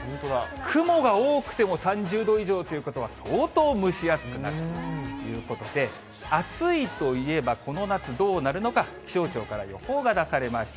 雲が多くても３０度以上ということは、相当蒸し暑くなるということで、暑いといえばこの夏、どうなるのか、気象庁から予報が出されました。